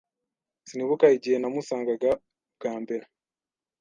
Sinibuka igihe namusangaga bwa mbere.